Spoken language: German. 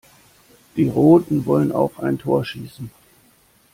Die Roten wollen auch ein Tor schießen.